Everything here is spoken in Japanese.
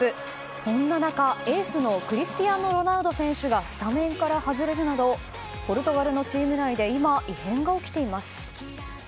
そんな中、エースのクリスティアーノ・ロナウド選手がスタメンから外れるなどポルトガルのチーム内で今、異変が起きています。